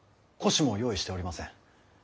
輿も用意しておりません。